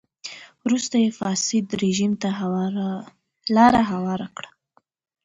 وروسته یې فاسد رژیم ته لار هواره کړه.